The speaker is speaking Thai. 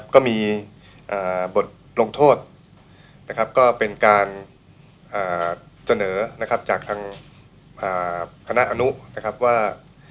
ก็มีบทลงโทษก็เป็นการเสนอจากทางคณะอนุว่า